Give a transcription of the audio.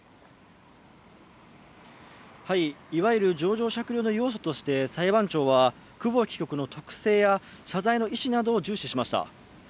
いわゆる情状酌量の要素として裁判長は久保木被告の特性や謝罪の意思などを重視しました。